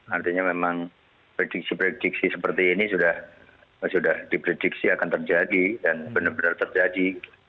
artinya memang prediksi prediksi seperti ini sudah diprediksi akan terjadi dan benar benar terjadi